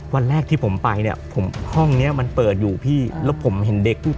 วันแรกที่ผมไปเนี่ยผมห้องเนี้ยมันเปิดอยู่พี่แล้วผมเห็นเด็กปุ๊บ